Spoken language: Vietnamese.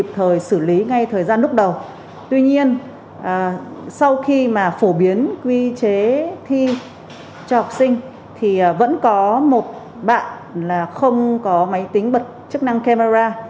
phổ biến quy chế thi cho học sinh thì vẫn có một bạn là không có máy tính bật chức năng camera